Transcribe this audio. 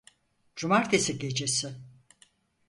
Cumartesi gecesi.